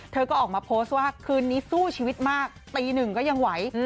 เธอก็ออกมาโพสต์ว่าคืนนี้สู้ชีวิตมากตีหนึ่งก็ยังไหว